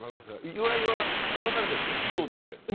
岩井はだまされてるからね、自転車で。